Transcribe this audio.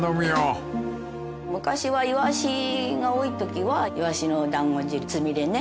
昔はイワシが多いときはイワシのだんご汁つみれね。